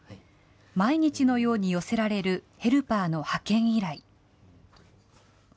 毎日のように寄せられるヘルパーの派遣依頼。